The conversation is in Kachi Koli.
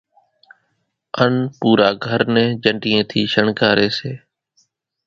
ان پورا گھر نين جنڍِيئين ٿِي شڻگاري سي